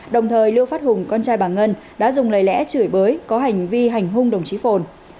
đồng thời lưu phát hùng con trai bà ngân đã dùng lời lẽ chửi bới có hành vi hành hung đồng chí phồn